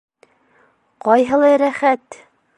— Ҡайһылай рәхәт!